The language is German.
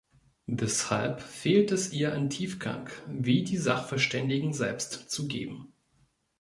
Deshalb fehlt es ihr an Tiefgang, wie die Sachverständigen selbst zugeben.